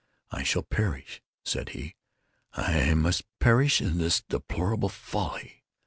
"I shall perish," said he, "I must perish in this deplorable folly.